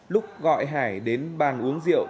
lúc gọi hải đến bàn uống rượu